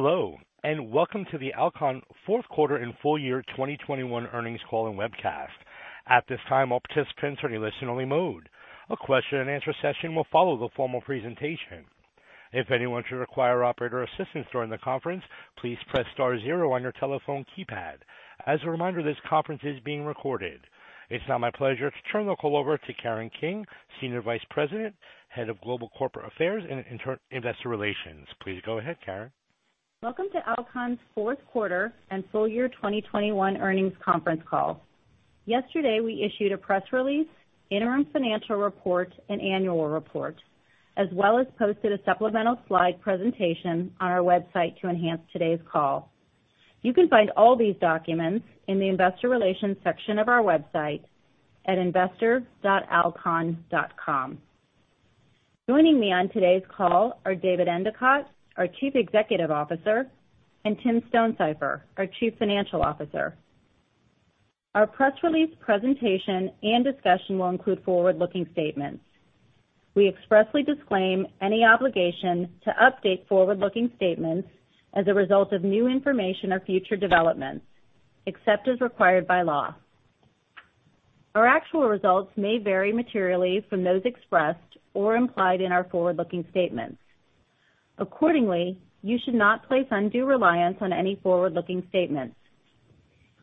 Hello, and welcome to the Alcon Q4 and full year 2021 earnings call and webcast. At this time, all participants are in a listen-only mode. A question and answer session will follow the formal presentation. If anyone should require operator assistance during the conference, please press star zero on your telephone keypad. As a reminder, this conference is being recorded. It's now my pleasure to turn the call over to Karen King, Senior Vice President, Head of Global Investor Relations and Corporate Affairs. Please go ahead, Karen. Welcome to Alcon's Q4 and full year 2021 earnings conference call. Yesterday, we issued a press release, interim financial report and annual report, as well as posted a supplemental slide presentation on our website to enhance today's call. You can find all these documents in the investor relations section of our website at investor.alcon.com. Joining me on today's call are David Endicott, our Chief Executive Officer, and Tim Stonesifer, our Chief Financial Officer. Our press release presentation and discussion will include forward-looking statements. We expressly disclaim any obligation to update forward-looking statements as a result of new information or future developments, except as required by law. Our actual results may vary materially from those expressed or implied in our forward-looking statements. Accordingly, you should not place undue reliance on any forward-looking statements.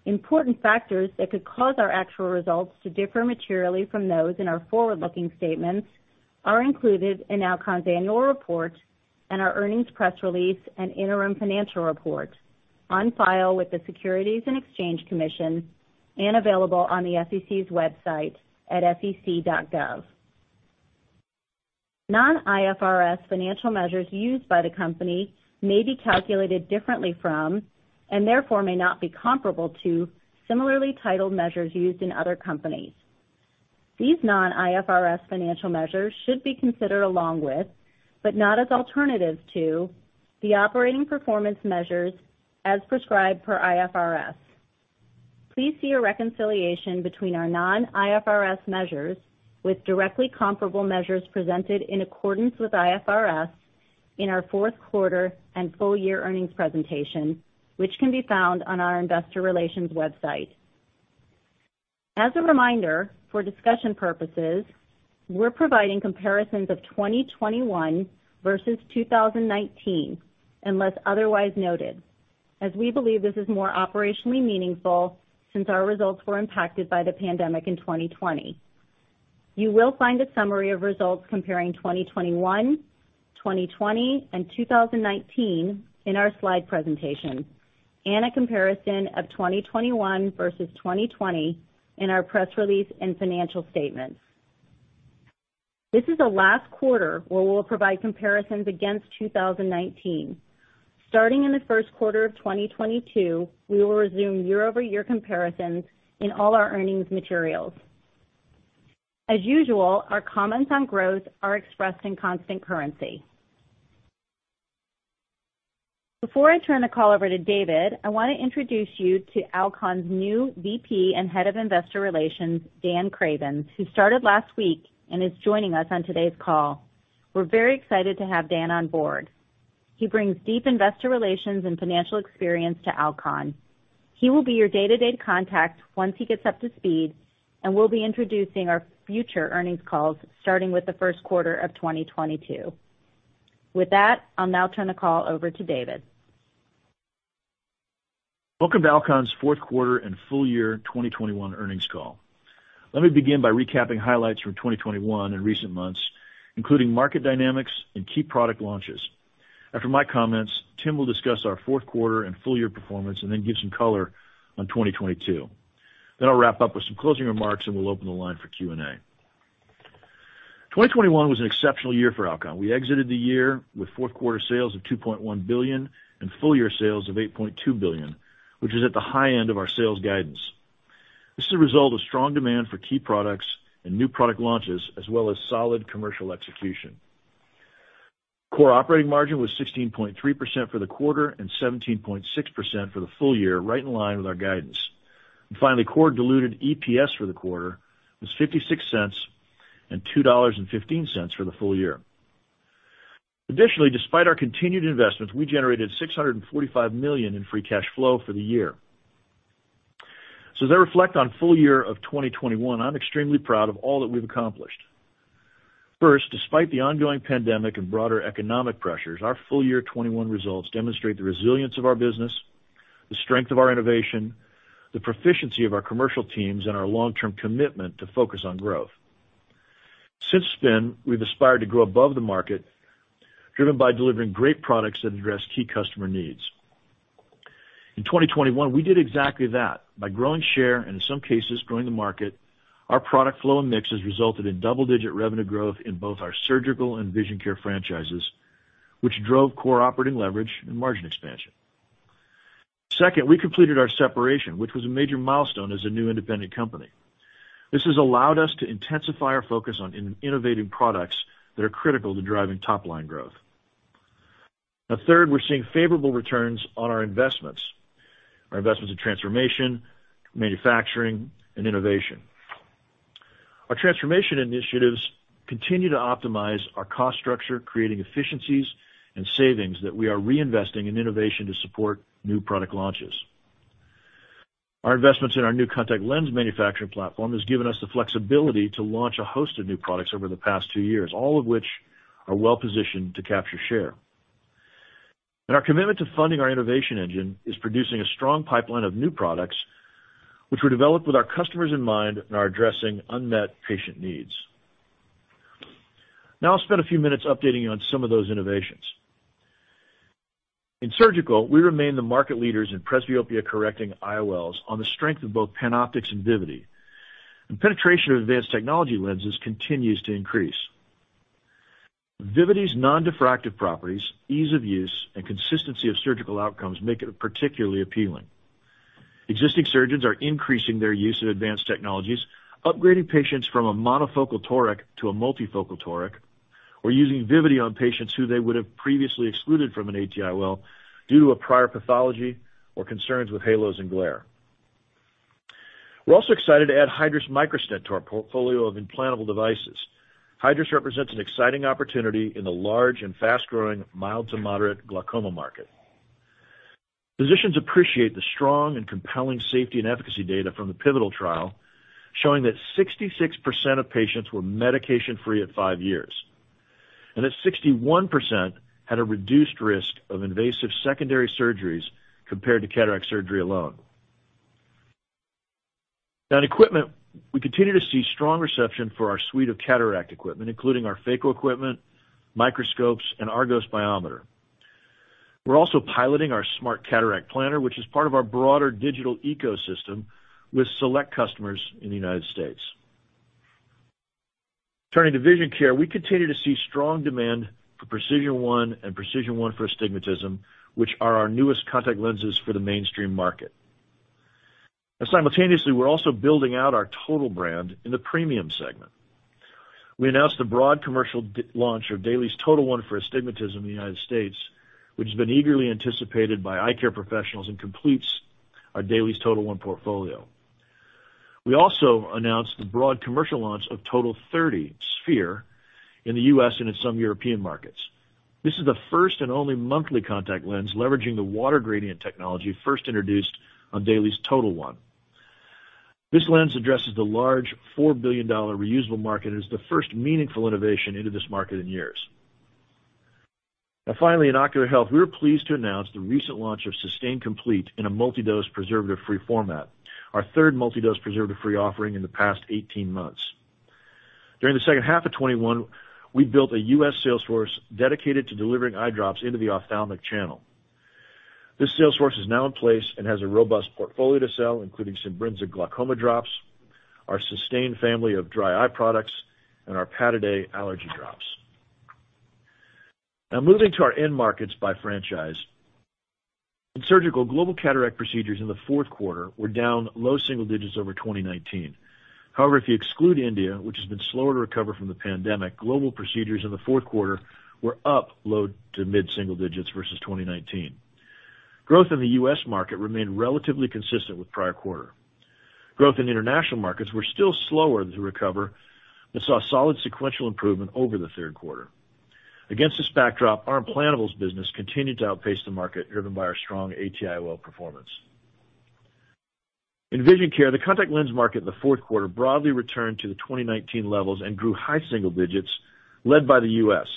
Important factors that could cause our actual results to differ materially from those in our forward-looking statements are included in Alcon's annual report and our earnings press release and interim financial report on file with the Securities and Exchange Commission and available on the SEC's website at sec.gov. Non-IFRS financial measures used by the company may be calculated differently from, and therefore may not be comparable to, similarly titled measures used in other companies. These non-IFRS financial measures should be considered along with, but not as alternatives to, the operating performance measures as prescribed per IFRS. Please see a reconciliation between our non-IFRS measures with directly comparable measures presented in accordance with IFRS in our Q4 and full year earnings presentation, which can be found on our investor relations website. As a reminder, for discussion purposes, we're providing comparisons of 2021 versus 2019, unless otherwise noted, as we believe this is more operationally meaningful since our results were impacted by the pandemic in 2020. You will find a summary of results comparing 2021, 2020 and 2019 in our slide presentation, and a comparison of 2021 versus 2020 in our press release and financial statements. This is the last quarter where we'll provide comparisons against 2019. Starting in the Q1 of 2022, we will resume year-over-year comparisons in all our earnings materials. As usual, our comments on growth are expressed in constant currency. Before I turn the call over to David, I want to introduce you to Alcon's new VP and Head of Investor Relations, Dan Cravens, who started last week and is joining us on today's call. We're very excited to have Dan on board. He brings deep Investor Relations and financial experience to Alcon. He will be your day-to-day contact once he gets up to speed, and will be introducing our future earnings calls, starting with the Q1 of 2022. With that, I'll now turn the call over to David. Welcome to Alcon's Q4 and full year 2021 earnings call. Let me begin by recapping highlights from 2021 and recent months, including market dynamics and key product launches. After my comments, Tim will discuss our Q4 and full year performance and then give some color on 2022. Then I'll wrap up with some closing remarks, and we'll open the line for Q&A. 2021 was an exceptional year for Alcon. We exited the year with Q4 sales of $2.1 billion and full year sales of $8.2 billion, which is at the high end of our sales guidance. This is a result of strong demand for key products and new product launches, as well as solid commercial execution. Core operating margin was 16.3% for the quarter and 17.6% for the full year, right in line with our guidance. Finally, core diluted EPS for the quarter was $0.56 and $2.15 for the full year. Additionally, despite our continued investments, we generated $645 million in free cash flow for the year. As I reflect on full year of 2021, I'm extremely proud of all that we've accomplished. First, despite the ongoing pandemic and broader economic pressures, our full year 2021 results demonstrate the resilience of our business, the strength of our innovation, the proficiency of our commercial teams, and our long-term commitment to focus on growth. Since then, we've aspired to grow above the market, driven by delivering great products that address key customer needs. In 2021, we did exactly that. By growing share, and in some cases growing the market, our product flow and mixes resulted in double-digit revenue growth in both our Surgical and Vision Care franchises, which drove core operating leverage and margin expansion. Second, we completed our separation, which was a major milestone as a new independent company. This has allowed us to intensify our focus on innovative products that are critical to driving top line growth. Now third, we're seeing favorable returns on our investments in transformation, manufacturing, and innovation. Our transformation initiatives continue to optimize our cost structure, creating efficiencies and savings that we are reinvesting in innovation to support new product launches. Our investments in our new contact lens manufacturing platform has given us the flexibility to launch a host of new products over the past two years, all of which are well-positioned to capture share. Our commitment to funding our innovation engine is producing a strong pipeline of new products which were developed with our customers in mind and are addressing unmet patient needs. Now I'll spend a few minutes updating you on some of those innovations. In surgical, we remain the market leaders in presbyopia-correcting IOLs on the strength of both PanOptix and Vivity. Penetration of advanced technology lenses continues to increase. Vivity's non-diffractive properties, ease of use, and consistency of surgical outcomes make it particularly appealing. Existing surgeons are increasing their use of advanced technologies, upgrading patients from a monofocal toric to a multifocal toric, or using Vivity on patients who they would have previously excluded from an ATIOL due to a prior pathology or concerns with halos and glare. We're also excited to add Hydrus Microstent to our portfolio of implantable devices. Hydrus represents an exciting opportunity in the large and fast-growing mild to moderate glaucoma market. Physicians appreciate the strong and compelling safety and efficacy data from the pivotal trial, showing that 66% of patients were medication-free at five years, and that 61% had a reduced risk of invasive secondary surgeries compared to cataract surgery alone. Now in equipment, we continue to see strong reception for our suite of cataract equipment, including our phaco equipment, microscopes, and ARGOS biometer. We're also piloting our smart cataract planner, which is part of our broader digital ecosystem with select customers in the United States. Turning to vision care, we continue to see strong demand for PRECISION1 and PRECISION1 for Astigmatism, which are our newest contact lenses for the mainstream market. Now simultaneously, we're also building out our TOTAL brand in the premium segment. We announced the broad commercial launch of DAIILIES TOTAL1 for Astigmatism in the United States, which has been eagerly anticipated by eye care professionals and completes our DAILIES TOTAL1 portfolio. We also announced the broad commercial launch of TOTAL30 Sphere in the U.S. and in some European markets. This is the first and only monthly contact lens leveraging the Water Gradient Technology first introduced on DAILIES TOTAL1. This lens addresses the large $4 billion reusable market as the first meaningful innovation into this market in years. Now finally, in ocular health, we are pleased to announce the recent launch of SYSTANE COMPLETE in a multi-dose preservative-free format, our third multi-dose preservative-free offering in the past 18 months. During the H1 of 2021, we built a U.S. sales force dedicated to delivering eye drops into the ophthalmic channel. This sales force is now in place and has a robust portfolio to sell, including Simbrinza glaucoma drops, our Systane family of dry eye products, and our Pataday allergy drops. Now moving to our end markets by franchise. In surgical, global cataract procedures in the Q4 were down low single digits over 2019. However, if you exclude India, which has been slower to recover from the pandemic, global procedures in the Q4 were up low to mid-single digits versus 2019. Growth in the U.S. market remained relatively consistent with prior quarter. Growth in international markets were still slower to recover, but saw solid sequential improvement over the third quarter. Against this backdrop, our Implantables business continued to outpace the market, driven by our strong ATIOL performance. In vision care, the contact lens market in the Q4 broadly returned to the 2019 levels and grew high single digits, led by the U.S.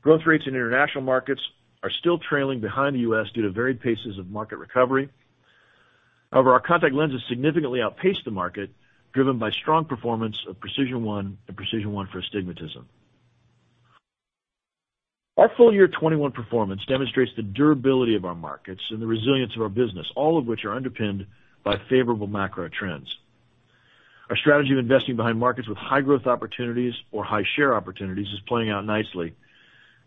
Growth rates in international markets are still trailing behind the U.S. due to varied paces of market recovery. However, our contact lenses significantly outpaced the market, driven by strong performance of PRECISION1 and PRECISION1 for Astigmatism. Our full year 2021 performance demonstrates the durability of our markets and the resilience of our business, all of which are underpinned by favorable macro trends. Our strategy of investing behind markets with high growth opportunities or high share opportunities is playing out nicely,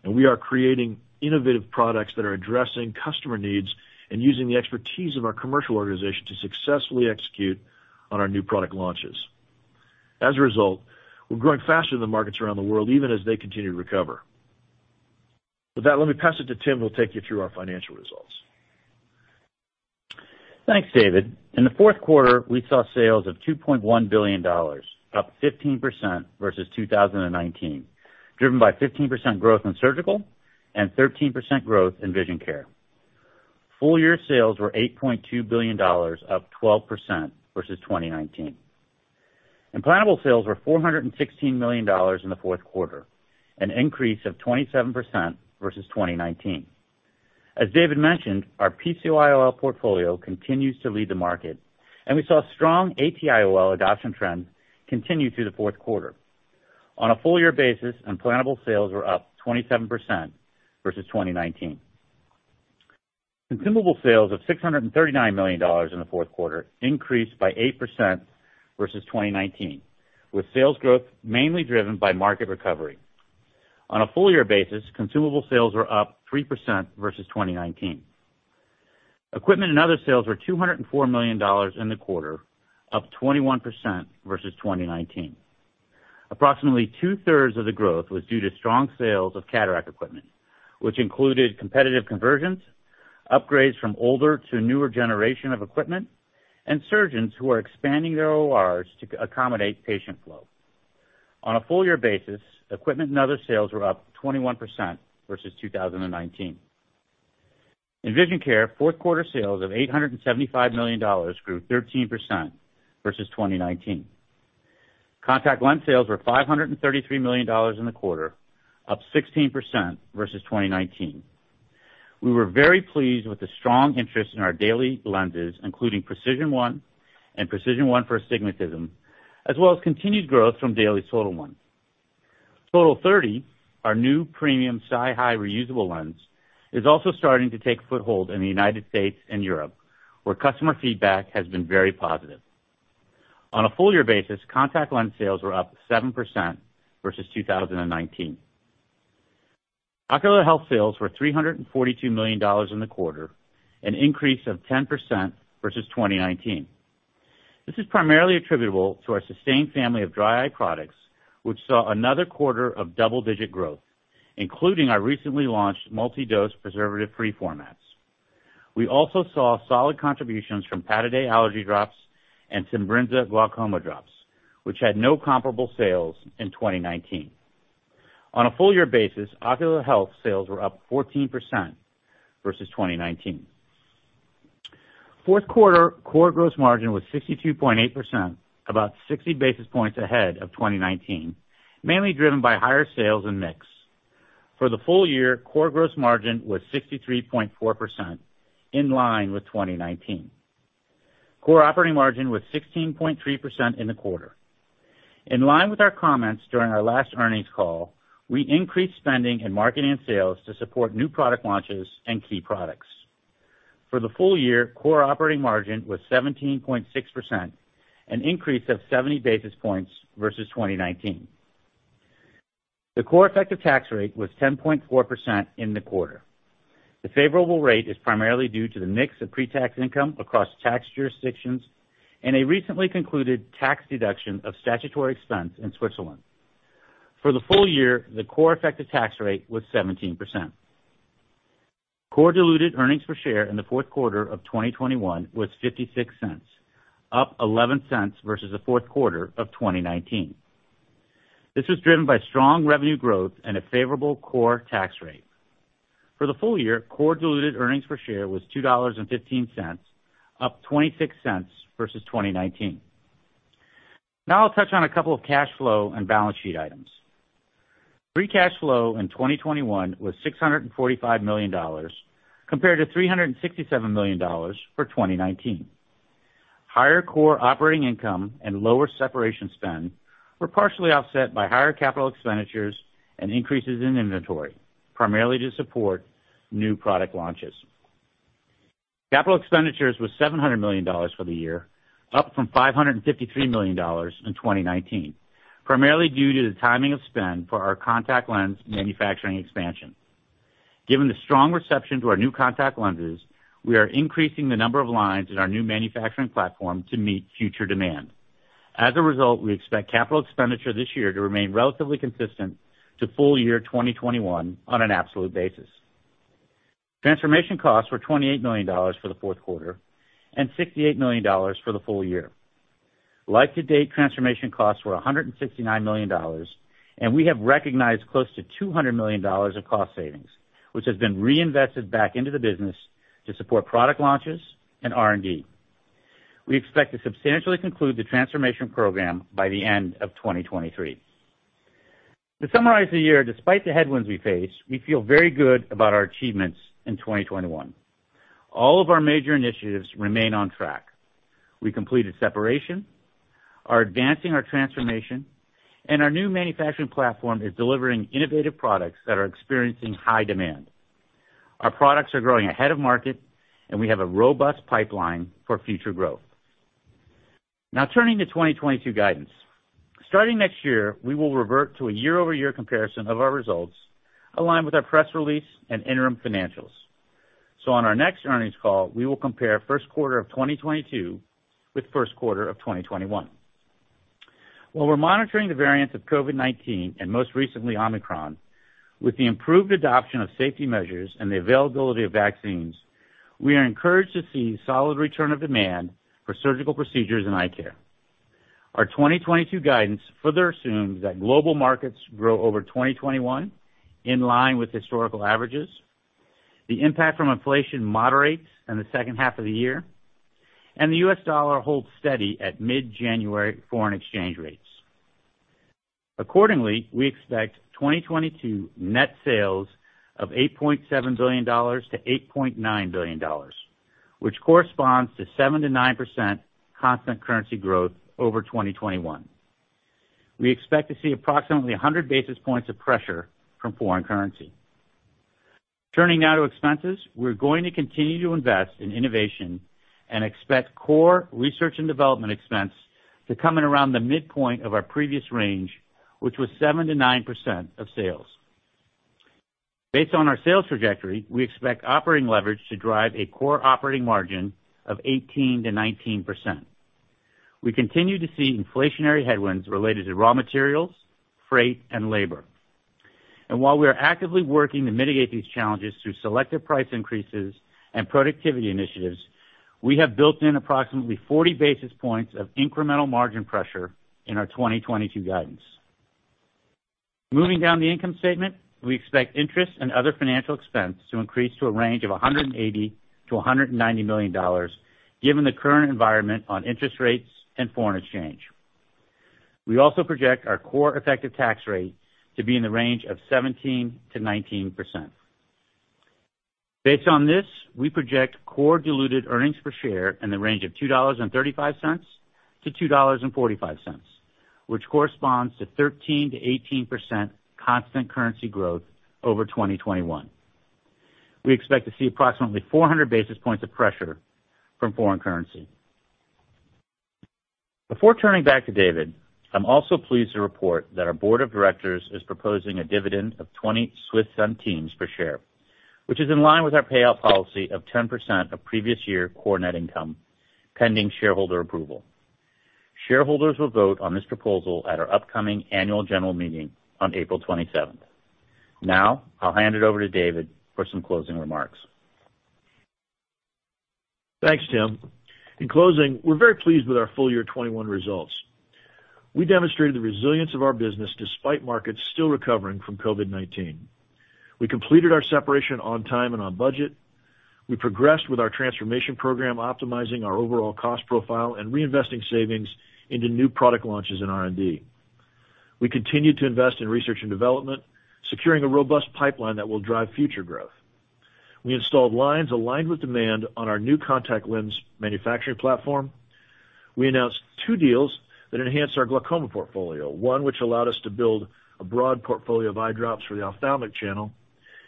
and we are creating innovative products that are addressing customer needs and using the expertise of our commercial organization to successfully execute on our new product launches. As a result, we're growing faster than markets around the world, even as they continue to recover. With that, let me pass it to Tim, who will take you through our financial results. Thanks, David. In the Q4, we saw sales of $2.1 billion, up 15% versus 2019, driven by 15% growth in Surgical and 13% growth in Vision Care. Full year sales were $8.2 billion, up 12% versus 2019. Implantable sales were $416 million in the Q4, an increase of 27% versus 2019. As David mentioned, our PC IOL portfolio continues to lead the market, and we saw strong ATIOL adoption trends continue through the Q4. On a full year basis, Implantable sales were up 27% versus 2019. Consumable sales of $639 million in the Q4 increased by 8% versus 2019, with sales growth mainly driven by market recovery. On a full year basis, Consumable sales were up 3% versus 2019. Equipment and other sales were $204 million in the quarter, up 21% versus 2019. Approximately two thirds of the growth was due to strong sales of cataract equipment, which included competitive conversions, upgrades from older to newer generation of equipment, and surgeons who are expanding their ORs to accommodate patient flow. On a full year basis, equipment and other sales were up 21% versus 2019. In vision care, Q4 sales of $875 million grew 13% versus 2019. Contact lens sales were $533 million in the quarter, up 16% versus 2019. We were very pleased with the strong interest in our daily lenses, including PRECISION1 and PRECISION1 for Astigmatism, as well as continued growth from DAILIES TOTAL1. TOTAL30, our new premium SiHy reusable lens, is also starting to take foothold in the United States and Europe, where customer feedback has been very positive. On a full-year basis, Contact Lens sales were up 7% versus 2019. Ocular Health sales were $342 million in the quarter, an increase of 10% versus 2019. This is primarily attributable to our SYSTANE family of dry eye products, which saw another quarter of double-digit growth, including our recently launched multi-dose preservative-free formats. We also saw solid contributions from Pataday allergy drops and Simbrinza glaucoma drops, which had no comparable sales in 2019. On a full-year basis, Ocular Health sales were up 14% versus 2019. Q4 core gross margin was 62.8%, about 60 basis points ahead of 2019, mainly driven by higher sales and mix. For the full year, core gross margin was 63.4%, in line with 2019. Core operating margin was 16.3% in the quarter. In line with our comments during our last earnings call, we increased spending in marketing and sales to support new product launches and key products. For the full year, core operating margin was 17.6%, an increase of 70 basis points versus 2019. The core effective tax rate was 10.4% in the quarter. The favorable rate is primarily due to the mix of pre-tax income across tax jurisdictions and a recently concluded tax deduction of statutory expense in Switzerland. For the full year, the core effective tax rate was 17%. Core diluted earnings per share in the Q4 of 2021 was $0.56, up $0.11 versus the Q4 of 2019. This was driven by strong revenue growth and a favorable core tax rate. For the full year, core diluted earnings per share was $2.15, up $0.26 versus 2019. Now I'll touch on a couple of cash flow and balance sheet items. Free cash flow in 2021 was $645 million, compared to $367 million for 2019. Higher core operating income and lower separation spend were partially offset by higher capital expenditures and increases in inventory, primarily to support new product launches. Capital expenditures was $700 million for the year, up from $553 million in 2019, primarily due to the timing of spend for our contact lens manufacturing expansion. Given the strong reception to our new contact lenses, we are increasing the number of lines in our new manufacturing platform to meet future demand. As a result, we expect capital expenditure this year to remain relatively consistent to full year 2021 on an absolute basis. Transformation costs were $28 million for the Q4 and $68 million for the full year. Life to date transformation costs were $169 million, and we have recognized close to $200 million of cost savings, which has been reinvested back into the business to support product launches and R&D. We expect to substantially conclude the transformation program by the end of 2023. To summarize the year, despite the headwinds we face, we feel very good about our achievements in 2021. All of our major initiatives remain on track. We completed separation, are advancing our transformation, and our new manufacturing platform is delivering innovative products that are experiencing high demand. Our products are growing ahead of market, and we have a robust pipeline for future growth. Now, turning to 2022 guidance. Starting next year, we will revert to a year-over-year comparison of our results aligned with our press release and interim financials. On our next earnings call, we will compare Q1 of 2022 with Q1 of 2021. While we're monitoring the variants of COVID-19, and most recently, Omicron, with the improved adoption of safety measures and the availability of vaccines, we are encouraged to see solid return of demand for surgical procedures in eye care. Our 2022 guidance further assumes that global markets grow over 2021 in line with historical averages, the impact from inflation moderates in the second half of the year, and the US dollar holds steady at mid-January foreign exchange rates. Accordingly, we expect 2022 net sales of $8.7 billion-$8.9 billion, which corresponds to 7%-9% constant currency growth over 2021. We expect to see approximately 100 basis points of pressure from foreign currency. Turning now to expenses. We're going to continue to invest in innovation and expect core research and development expense to come in around the midpoint of our previous range, which was 7%-9% of sales. Based on our sales trajectory, we expect operating leverage to drive a core operating margin of 18%-19%. We continue to see inflationary headwinds related to raw materials, freight, and labor. While we are actively working to mitigate these challenges through selective price increases and productivity initiatives, we have built in approximately 40 basis points of incremental margin pressure in our 2022 guidance. Moving down the income statement, we expect interest and other financial expense to increase to a range of $180 million-$190 million given the current environment on interest rates and foreign exchange. We project our core effective tax rate to be in the range of 17%-19%. Based on this, we project core diluted earnings per share in the range of $2.35-$2.45, which corresponds to 13%-18% constant currency growth over 2021. We expect to see approximately 400 basis points of pressure from foreign currency. Before turning back to David, I'm also pleased to report that our board of directors is proposing a dividend of 0.20 per share, which is in line with our payout policy of 10% of previous year core net income pending shareholder approval. Shareholders will vote on this proposal at our upcoming annual general meeting on April 27th. Now, I'll hand it over to David for some closing remarks. Thanks, Tim. In closing, we're very pleased with our full year 2021 results. We demonstrated the resilience of our business despite markets still recovering from COVID-19. We completed our separation on time and on budget. We progressed with our transformation program, optimizing our overall cost profile and reinvesting savings into new product launches in R&D. We continued to invest in research and development, securing a robust pipeline that will drive future growth. We installed lines aligned with demand on our new contact lens manufacturing platform. We announced two deals that enhanced our glaucoma portfolio, one which allowed us to build a broad portfolio of eye drops for the ophthalmic channel,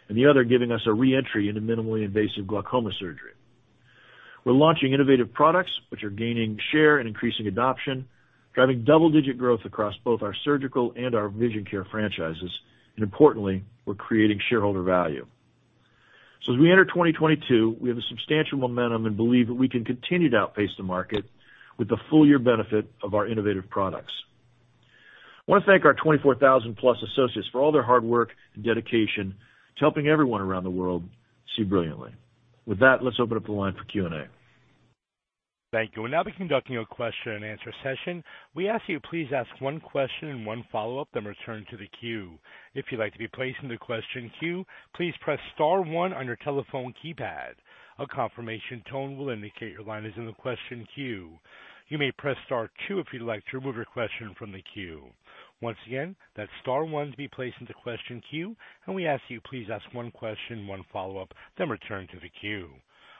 and the other giving us a re-entry into minimally invasive glaucoma surgery. We're launching innovative products which are gaining share and increasing adoption, driving double-digit growth across both our surgical and our vision care franchises. Importantly, we're creating shareholder value. As we enter 2022, we have a substantial momentum and believe that we can continue to outpace the market with the full year benefit of our innovative products. I want to thank our 24,000+ associates for all their hard work and dedication to helping everyone around the world see brilliantly. With that, let's open up the line for Q&A. Thank you. We'll now be conducting a question and answer session. We ask you please ask one question and one follow-up, then return to the queue. If you'd like to be placed in the question queue, please press star one on your telephone keypad. A confirmation tone will indicate your line is in the question queue. You may press star two if you'd like to remove your question from the queue. Once again, that's star one to be placed into question queue, and we ask you please ask one question, one follow-up, then return to the queue.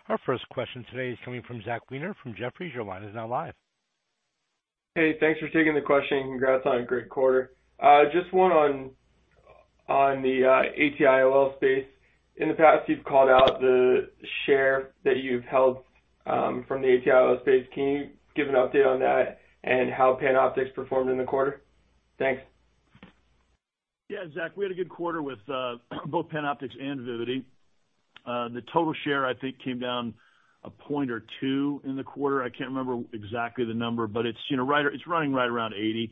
Our first question today is coming from Zachary Weiner from Jefferies. Your line is now live. Hey, thanks for taking the question, and congrats on a great quarter. Just one on the ATIOL space. In the past, you've called out the share that you've held from the ATIOL space. Can you give an update on that and how PanOptix performed in the quarter? Thanks. Yeah, Zach, we had a good quarter with both PanOptix and Vivity. The total share I think came down a point or two in the quarter. I can't remember exactly the number, but it's, you know, right, it's running right around 80%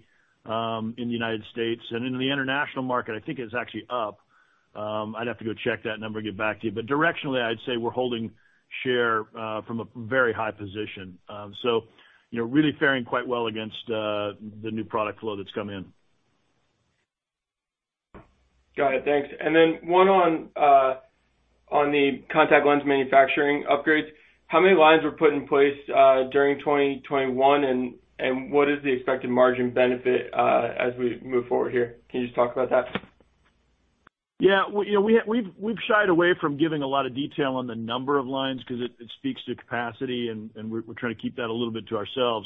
in the United States. In the international market, I think it's actually up. I'd have to go check that number and get back to you. Directionally, I'd say we're holding share from a very high position. You know, really faring quite well against the new product flow that's come in. Got it. Thanks. One on the contact lens manufacturing upgrades. How many lines were put in place during 2021, and what is the expected margin benefit as we move forward here? Can you just talk about that? Yeah. Well, you know, we've shied away from giving a lot of detail on the number of lines because it speaks to capacity and we're trying to keep that a little bit to ourselves.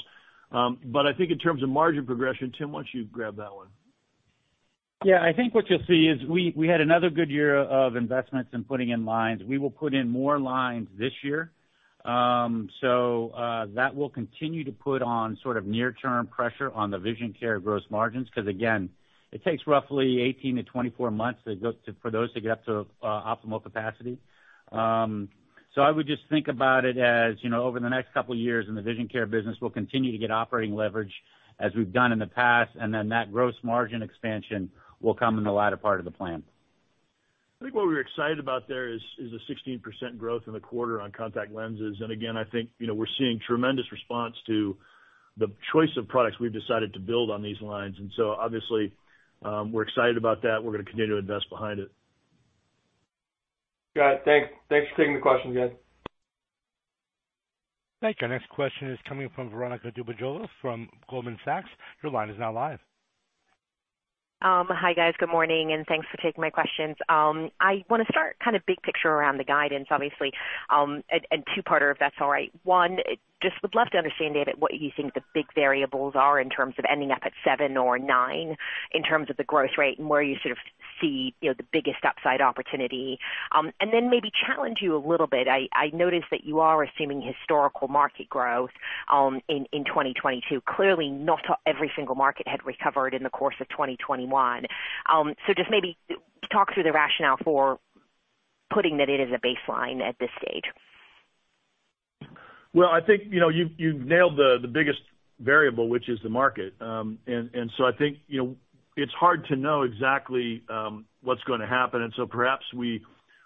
I think in terms of margin progression, Tim, why don't you grab that one? Yeah. I think what you'll see is we had another good year of investments in putting in lines. We will put in more lines this year. That will continue to put on sort of near-term pressure on the Vision Care gross margins, because again, it takes roughly 18-24 months for those to get up to optimal capacity. I would just think about it as, you know, over the next couple of years in the Vision Care business, we'll continue to get operating leverage as we've done in the past, and then that gross margin expansion will come in the latter part of the plan. I think what we're excited about there is a 16% growth in the quarter on contact lenses. Again, I think, you know, we're seeing tremendous response to the choice of products we've decided to build on these lines. Obviously, we're excited about that. We're going to continue to invest behind it. Got it. Thanks. Thanks for taking the question, guys. Thank you. Next question is coming from Veronika Dubajova from Goldman Sachs. Your line is now live. Hi, guys. Good morning, and thanks for taking my questions. I wanna start kind of big picture around the guidance, obviously, and two-parter if that's all right. One, just would love to understand, David, what you think the big variables are in terms of ending up at 7% or 9% in terms of the growth rate and where you sort of see, you know, the biggest upside opportunity. And then maybe challenge you a little bit. I noticed that you are assuming historical market growth in 2022. Clearly not every single market had recovered in the course of 2021. Just maybe talk through the rationale for putting that in as a baseline at this stage. Well, I think, you know, you've nailed the biggest variable, which is the market. I think, you know, it's hard to know exactly what's gonna happen. Perhaps we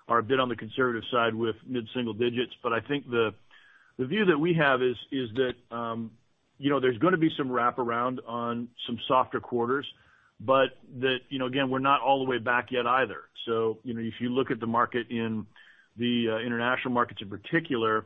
are a bit on the conservative side with mid-single digits. I think the view that we have is that, you know, there's gonna be some wraparound on some softer quarters, but that, you know, again, we're not all the way back yet either. You know, if you look at the market in the international markets in particular,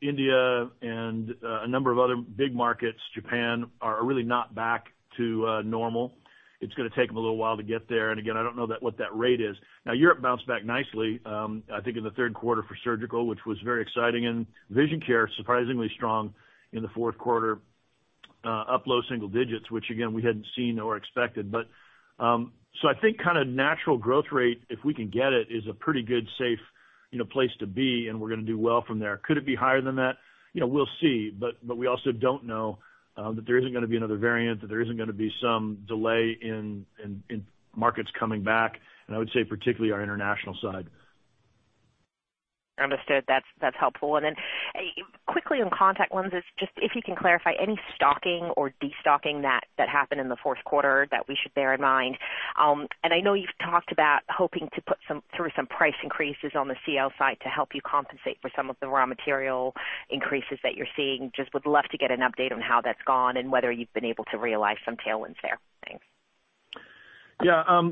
India and a number of other big markets, Japan, are really not back to normal. It's gonna take them a little while to get there. Again, I don't know what that rate is. Now Europe bounced back nicely, I think in the third quarter for surgical, which was very exciting. Vision care, surprisingly strong in the Q4, up low single digits, which again, we hadn't seen or expected. I think kinda natural growth rate, if we can get it, is a pretty good, safe, you know, place to be, and we're gonna do well from there. Could it be higher than that? You know, we'll see. We also don't know that there isn't gonna be another variant, that there isn't gonna be some delay in markets coming back, and I would say particularly our international side. Understood. That's helpful. Quickly on contact lenses, just if you can clarify any stocking or destocking that happened in the Q4 that we should bear in mind. I know you've talked about hoping to put some price increases on the CL side to help you compensate for some of the raw material increases that you're seeing. Just would love to get an update on how that's gone and whether you've been able to realize some tailwinds there. Thanks. Yeah.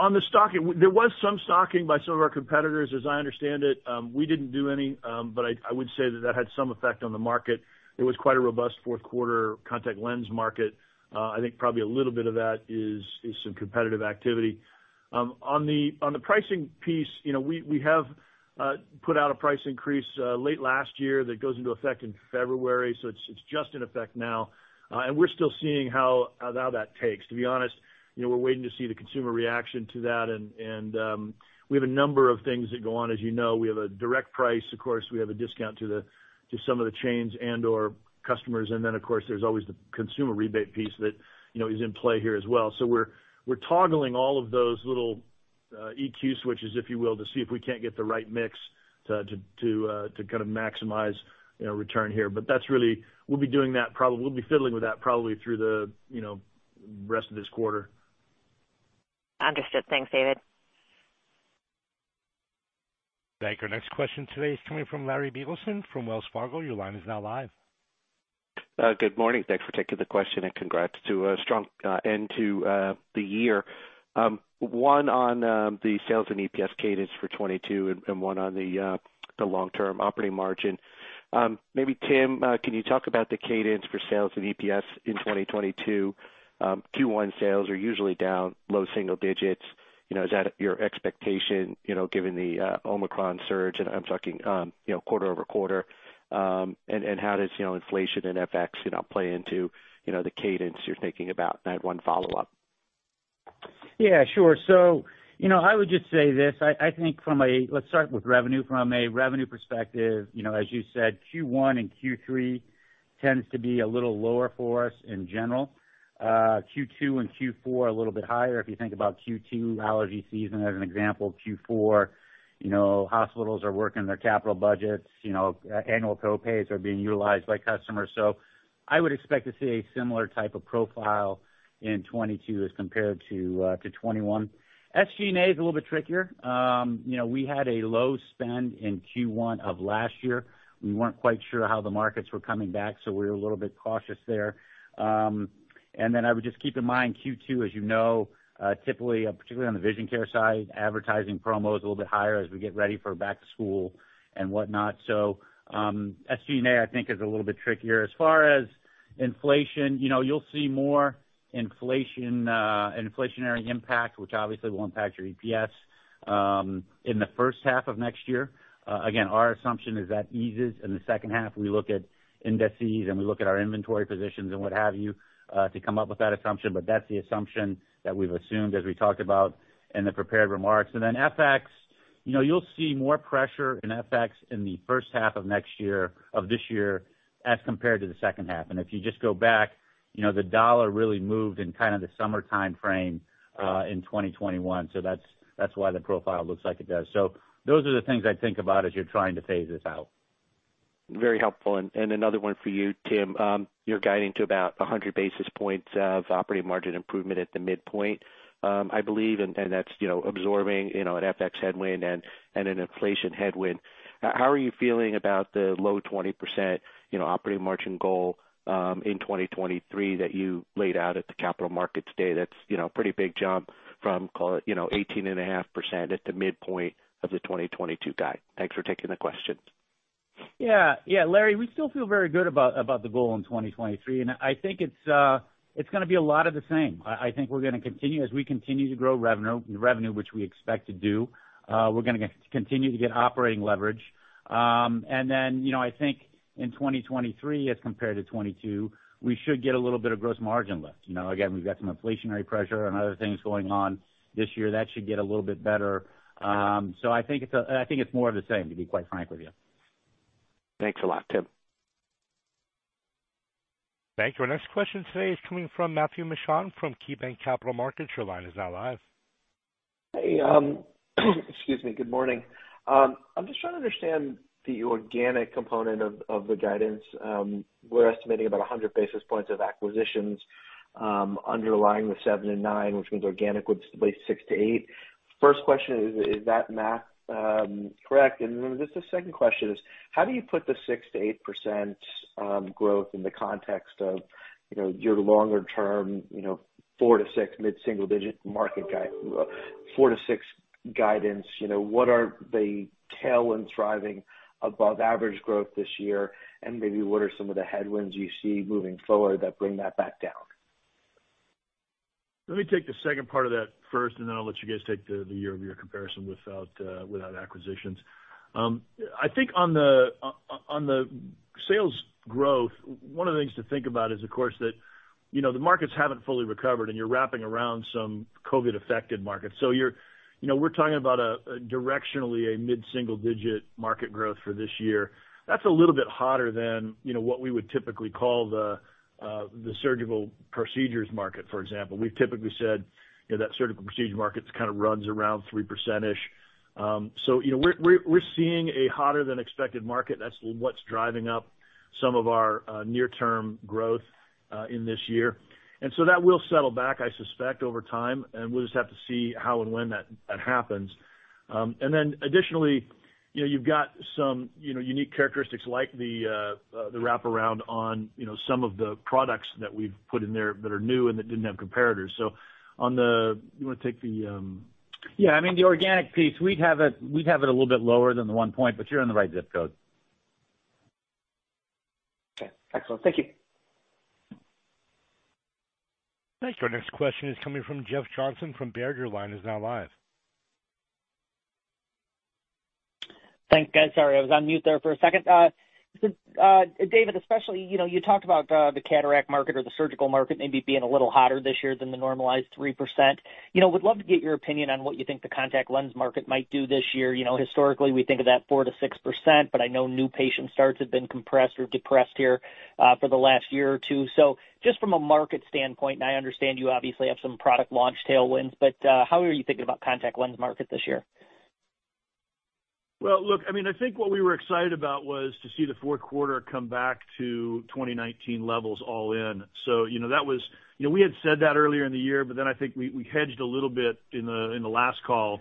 On the stocking, there was some stocking by some of our competitors. As I understand it, we didn't do any, but I would say that had some effect on the market. It was quite a robust Q4 contact lens market. I think probably a little bit of that is some competitive activity. On the pricing piece, you know, we have put out a price increase late last year that goes into effect in February, so it's just in effect now. And we're still seeing how that takes. To be honest, you know, we're waiting to see the consumer reaction to that and we have a number of things that go on. As you know, we have a direct price. Of course, we have a discount to some of the chains and/or customers, and then, of course, there's always the consumer rebate piece that, you know, is in play here as well. We're toggling all of those little EQ switches, if you will, to see if we can't get the right mix to kind of maximize, you know, return here. We'll be fiddling with that probably through the, you know, rest of this quarter. Understood. Thanks, David. Thank you. Our next question today is coming from Larry Biegelsen from Wells Fargo. Your line is now live. Good morning. Thanks for taking the question, and congrats to a strong end to the year. One on the sales and EPS cadence for 2022 and one on the long-term operating margin. Maybe Tim can you talk about the cadence for sales and EPS in 2022? Q1 sales are usually down low single digits. You know, is that your expectation, you know, given the Omicron surge? I'm talking, you know, quarter-over-quarter. How does, you know, inflation and FX, you know, play into the cadence you're thinking about? I have one follow-up. You know, I would just say this. I think. Let's start with revenue. From a revenue perspective, you know, as you said, Q1 and Q3 tends to be a little lower for us in general. Q2 and Q4 are a little bit higher. If you think about Q2 allergy season as an example, Q4, you know, hospitals are working their capital budgets. You know, annual copays are being utilized by customers. I would expect to see a similar type of profile in 2022 as compared to 2021. SG&A is a little bit trickier. You know, we had a low spend in Q1 of last year. We weren't quite sure how the markets were coming back, so we were a little bit cautious there. I would just keep in mind Q2, as you know, typically, particularly on the vision care side, advertising promo is a little bit higher as we get ready for back to school and whatnot. SG&A, I think is a little bit trickier. As far as inflation, you know, you'll see more inflation, inflationary impact, which obviously will impact your EPS, in the H1 Of next year. Again, our assumption is that eases. In the H2 we look at indices, and we look at our inventory positions and what have you, to come up with that assumption, but that's the asumption that we've assumed as we talked about in the prepared remarks. Then FX, you know, you'll see more pressure in FX in the H1 of this year as compared to the H2. If you just go back, you know, the dollar really moved in kind of the summer timeframe in 2021. That's why the profile looks like it does. Those are the things I'd think about as you're trying to phase this out. Very helpful. Another one for you, Tim. You're guiding to about 100 basis points of operating margin improvement at the midpoint, I believe, and that's, you know, absorbing, you know, an FX headwind and an inflation headwind. How are you feeling about the low 20% operating margin goal in 2023 that you laid out at the Capital Markets Day? That's, you know, a pretty big jump from, call it, you know, 18.5% at the midpoint of the 2022 guide. Thanks for taking the question. Yeah. Larry, we still feel very good about the goal in 2023, and I think it's gonna be a lot of the same. I think we're gonna continue. As we continue to grow revenue, which we expect to do, we're gonna continue to get operating leverage. Then, you know, I think in 2023 as compared to 2022, we should get a little bit of gross margin lift. You know, again, we've got some inflationary pressure and other things going on this year. That should get a little bit better. I think it's more of the same, to be quite frank with you. Thanks a lot, Tim. Thank you. Our next question today is coming from Matthew Mishan from KeyBanc Capital Markets. Your line is now live. Hey, excuse me. Good morning. I'm just trying to understand the organic component of the guidance. We're estimating about 100 basis points of acquisitions underlying the 7%-9%, which means organic would be 6%-8%. First question, is that math correct? And then just the second question is, how do you put the 6%-8% growth in the context of, you know, your longer term, you know, 4%-6% mid-single digit market guidance. You know, what are the tailwinds driving above average growth this year? And maybe what are some of the headwinds you see moving forward that bring that back down? Let me take the second part of that first, and then I'll let you guys take the year-over-year comparison without acquisitions. I think on the sales growth, one of the things to think about is, of course, that, you know, the markets haven't fully recovered, and you're wrapping around some COVID-affected markets. You know, we're talking about directionally a mid-single digit market growth for this year. That's a little bit hotter than, you know, what we would typically call the surgical procedures market, for example. We've typically said that surgical procedure market kind of runs around 3%-ish. So, you know, we're seeing a hotter than expected market. That's what's driving up some of our near-term growth in this year. That will settle back, I suspect, over time, and we'll just have to see how and when that happens. Then additionally, you know, you've got some, you know, unique characteristics like the wraparound on, you know, some of the products that we've put in there that are new and that didn't have comparators. Yeah, I mean, the organic piece, we'd have it a little bit lower than the 1 point, but you're in the right zip code. Okay, excellent. Thank you. Thanks. Our next question is coming from Jeff Johnson from Baird. Your line is now live. Thanks, guys. Sorry, I was on mute there for a second. David especially, you know, you talked about the cataract market or the surgical market maybe being a little hotter this year than the normalized 3%. You know, would love to get your opinion on what you think the contact lens market might do this year. You know, historically, we think of that 4%-6%, but I know new patient starts have been compressed or depressed here for the last year or two. Just from a market standpoint, and I understand you obviously have some product launch tailwinds, but how are you thinking about contact lens market this year? Well, look, I mean, I think what we were excited about was to see the Q4 come back to 2019 levels all in. You know, that was. You know, we had said that earlier in the year, but then I think we hedged a little bit in the last call,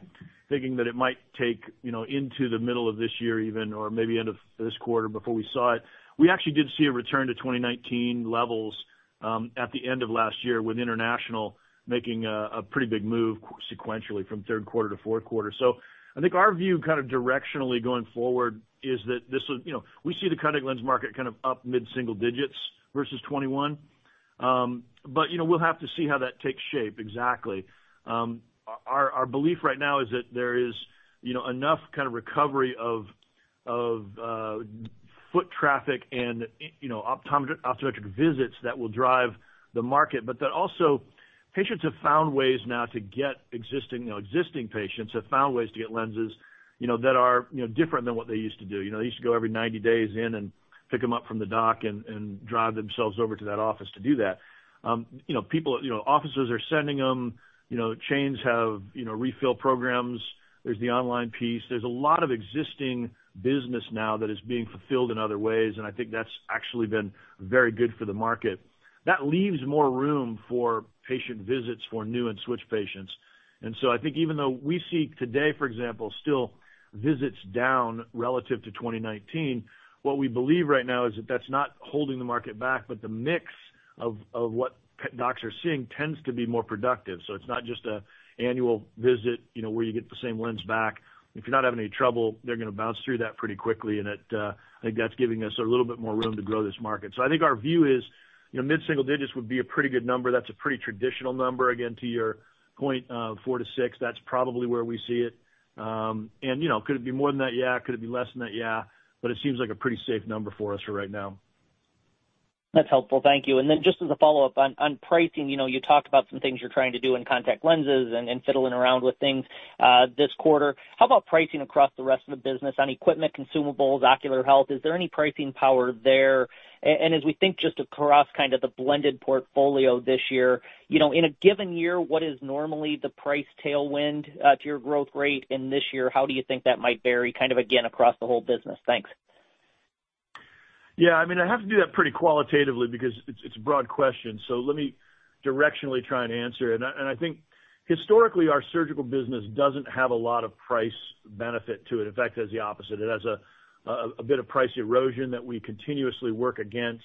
thinking that it might take, you know, into the middle of this year even, or maybe end of this quarter before we saw it. We actually did see a return to 2019 levels at the end of last year, with international making a pretty big move sequentially from third quarter to Q4. I think our view kind of directionally going forward is that this will, you know, we see the contact lens market kind of up mid-single digits versus 2021. You know, we'll have to see how that takes shape exactly. Our belief right now is that there is you know enough kind of recovery of foot traffic and you know optometric visits that will drive the market. That also patients have found ways now to get existing patients have found ways to get lenses you know that are you know different than what they used to do. You know, they used to go every 90 days in and pick them up from the doc and drive themselves over to that office to do that. You know, people you know offices are sending them you know chains have you know refill programs. There's the online piece. There's a lot of existing business now that is being fulfilled in other ways, and I think that's actually been very good for the market. That leaves more room for patient visits for new and switch patients. I think even though we see today, for example, still visits down relative to 2019, what we believe right now is that that's not holding the market back, but the mix of what p-docs are seeing tends to be more productive. It's not just an annual visit, you know, where you get the same lens back. If you're not having any trouble, they're gonna bounce through that pretty quickly. It, I think that's giving us a little bit more room to grow this market. I think our view is, you know, mid-single digits% would be a pretty good number. That's a pretty traditional number, again, to your point of 4-6. That's probably where we see it. You know, could it be more than that? Yeah. Could it be less than that? Yeah. It seems like a pretty safe number for us for right now. That's helpful. Thank you. Just as a follow-up on pricing, you know, you talked about some things you're trying to do in contact lenses and fiddling around with things this quarter. How about pricing across the rest of the business on equipment, consumables, ocular health? Is there any pricing power there? As we think just across kind of the blended portfolio this year, you know, in a given year, what is normally the price tailwind to your growth rate in this year? How do you think that might vary kind of again across the whole business? Thanks. Yeah, I mean, I have to do that pretty qualitatively because it's a broad question. Let me directionally try and answer it. I think historically, our surgical business doesn't have a lot of price benefit to it. In fact, it has the opposite. It has a bit of price erosion that we continuously work against.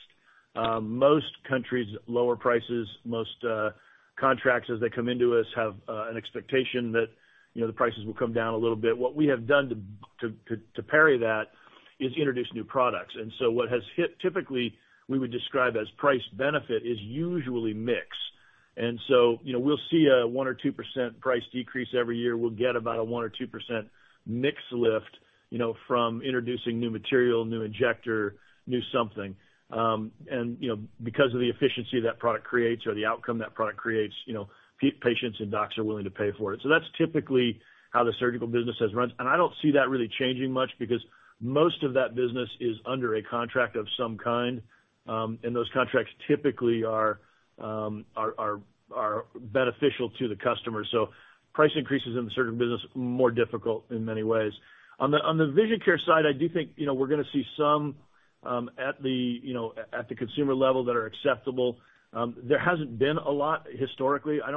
Most countries lower prices. Most contracts as they come into us have an expectation that, you know, the prices will come down a little bit. What we have done to parry that is introduce new products. What has hit typically, we would describe as price benefit is usually mix. You know, we'll see a 1% or 2% price decrease every year. We'll get about a 1%-2% mix lift from introducing new material, new injector, new something. Because of the efficiency that product creates or the outcome that product creates, patients and docs are willing to pay for it. That's typically how the surgical business has run. I don't see that really changing much because most of that business is under a contract of some kind, and those contracts typically are beneficial to the customer. Price increases in the surgical business are more difficult in many ways. On the vision care side, I do think we're gonna see some at the consumer level that are acceptable. There hasn't been a lot historically. I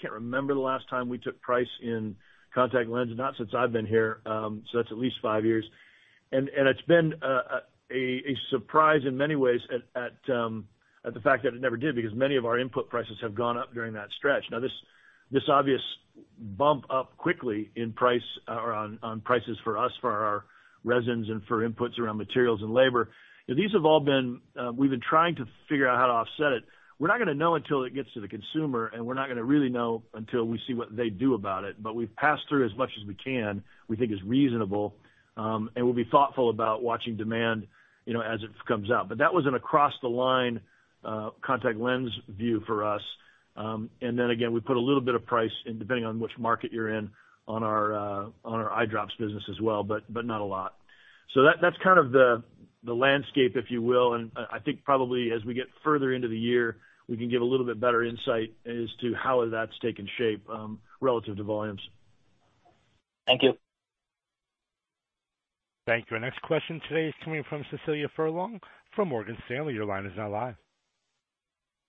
can't remember the last time we took price in contact lens, not since I've been here, so that's at least five years. It's been a surprise in many ways at the fact that it never did, because many of our input prices have gone up during that stretch. Now this obvious bump up quickly in price or on prices for us, for our resins and for inputs around materials and labor, these have all been. We've been trying to figure out how to offset it. We're not gonna know until it gets to the consumer, and we're not gonna really know until we see what they do about it. We've passed through as much as we can, we think, is reasonable, and we'll be thoughtful about watching demand, you know, as it comes out. That was an across the line contact lens view for us. Then again, we put a little bit of price in, depending on which market you're in, on our eye drops business as well, but not a lot. That's kind of the landscape, if you will. I think probably as we get further into the year, we can give a little bit better insight as to how that's taken shape relative to volumes. Thank you. Thank you. Our next question today is coming from Cecilia Furlong from Morgan Stanley. Your line is now live.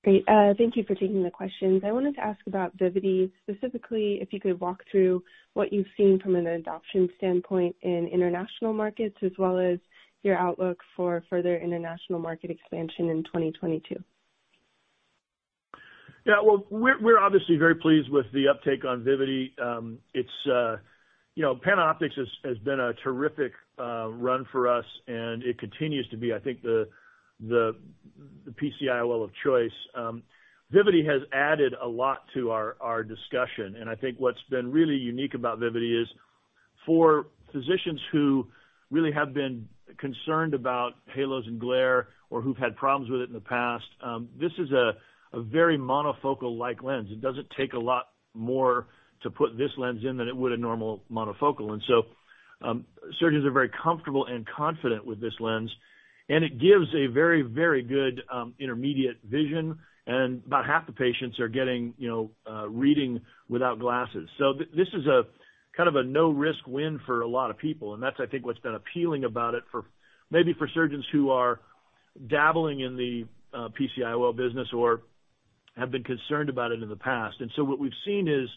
Great. Thank you for taking the questions. I wanted to ask about Vivity, specifically if you could walk through what you've seen from an adoption standpoint in international markets, as well as your outlook for further international market expansion in 2022. Yeah. Well, we're obviously very pleased with the uptake on Vivity. It's you know, PanOptix has been a terrific run for us, and it continues to be, I think, the PC-IOL of choice. Vivity has added a lot to our discussion, and I think what's been really unique about Vivity is for physicians who really have been concerned about halos and glare or who've had problems with it in the past, this is a very monofocal-like lens. It doesn't take a lot more to put this lens in than it would a normal monofocal. Surgeons are very comfortable and confident with this lens, and it gives a very good intermediate vision, and about half the patients are getting you know, reading without glasses. This is a kind of a no risk win for a lot of people, and that's, I think, what's been appealing about it for, maybe for surgeons who are dabbling in the, PC-IOL business or have been concerned about it in the past. What we've seen is,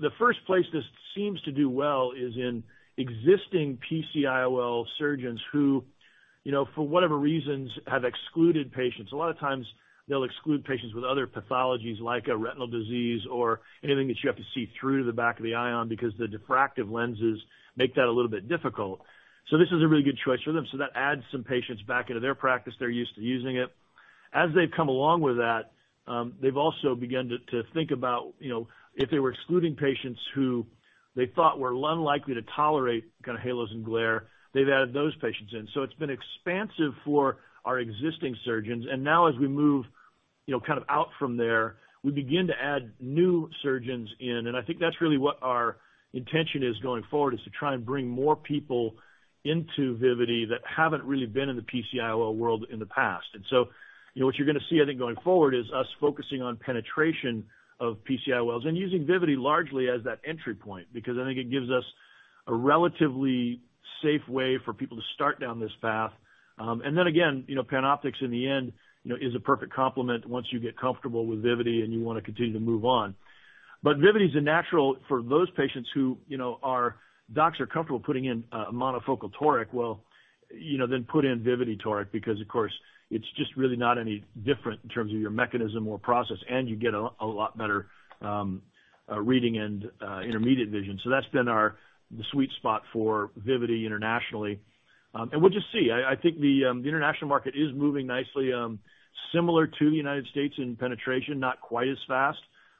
the first place this seems to do well is in existing PC-IOL surgeons who, you know, for whatever reasons, have excluded patients. A lot of times they'll exclude patients with other pathologies like a retinal disease or anything that you have to see through to the back of the eye on, because the diffractive lenses make that a little bit difficult. This is a really good choice for them. That adds some patients back into their practice. They're used to using it. As they've come along with that, they've also begun to think about, you know, if they were excluding patients who they thought were unlikely to tolerate kind of halos and glare, they've added those patients in. It's been expansive for our existing surgeons. Now as we move, you know, kind of out from there, we begin to add new surgeons in, and I think that's really what our intention is going forward, is to try and bring more people into Vivity that haven't really been in the PC-IOL world in the past. You know, what you're gonna see, I think, going forward is us focusing on penetration of PC-IOLs and using Vivity largely as that entry point, because I think it gives us a relatively safe way for people to start down this path. You know, PanOptix in the end, you know, is a perfect complement once you get comfortable with Vivity and you wanna continue to move on. Vivity is a natural for those patients who, you know, docs are comfortable putting in a monofocal toric. Well, you know, then put in Vivity toric because of course it's just really not any different in terms of your mechanism or process, and you get a lot better reading and intermediate vision. That's been our sweet spot for Vivity internationally. We'll just see. I think the international market is moving nicely, similar to the United States in penetration, not quite as fast,